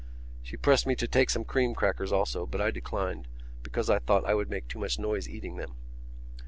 She pressed me to take some cream crackers also but I declined because I thought I would make too much noise eating them.